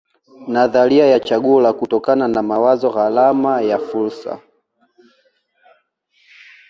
Nadharia ya chaguo la kutokana na mawazo gharama ya fursa